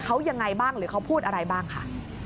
เขายังไงบ้างหรือเขาพูดอะไรบ้างค่ะ